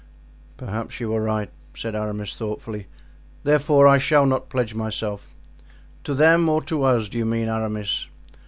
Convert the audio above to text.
"Perhaps you are right," said Aramis, thoughtfully; "therefore I shall not pledge myself." "To them or to us, do you mean, Aramis?"